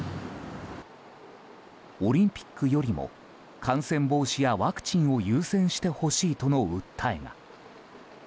オリンピックよりも感染防止やワクチンを優先してほしいとの訴えが。